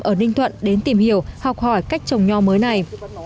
ở ninh thuận đến tìm hiểu học hỏi cách trồng nho mới này